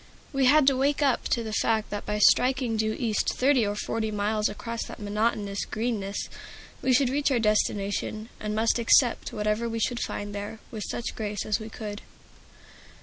We had to wake up to the fact that by striking due east thirty or forty miles across that monotonous Greenness, we should reach our destination, and must accept whatever we should find there, with such grace as we could.